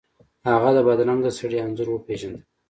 هغه د بدرنګه سړي انځور وپیژنده.